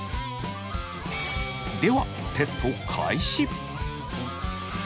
ではテスト開始。